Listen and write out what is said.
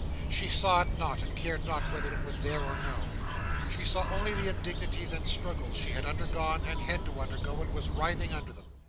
She saw it not, and cared not whether it was there or no. She saw only the indignities and struggles she had undergone and had to undergo, and was writhing under them.